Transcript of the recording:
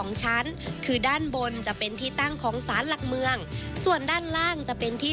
ชั้นคือด้านบนจะเป็นที่ตั้งของสารหลักเมืองส่วนด้านล่างจะเป็นที่